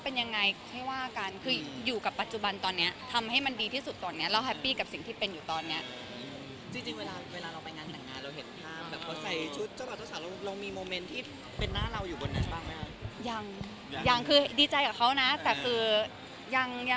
เป็นเรื่องของอารมณ์ของเขาหรือเปล่า